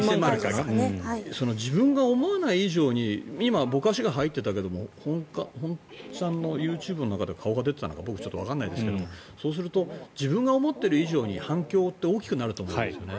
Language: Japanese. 自分が思わない以上に今、ぼかしが入っていたけども本チャンのＹｏｕＴｕｂｅでは顔が出ていたのかわからないですけど自分が思っている以上に反響って大きくなると思うんですよね。